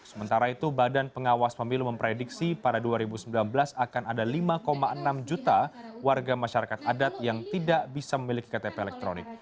sementara itu badan pengawas pemilu memprediksi pada dua ribu sembilan belas akan ada lima enam juta warga masyarakat adat yang tidak bisa memiliki ktp elektronik